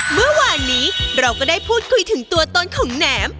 เมื่อวานนี้เราก็ได้พูดคุยถึงตัวตนของแหนม